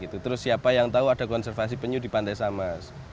terus siapa yang tahu ada konservasi penyu di pantai samas